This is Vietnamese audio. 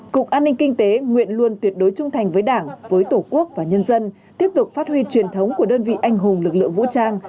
cục an ninh kinh tế nguyện luôn tuyệt đối trung thành với đảng với tổ quốc và nhân dân tiếp tục phát huy truyền thống của đơn vị anh hùng lực lượng vũ trang